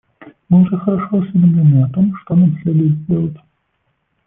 Мы уже хорошо осведомлены о том, что нам следует делать.